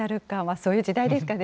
そういう時代ですかね。